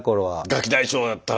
ガキ大将だった。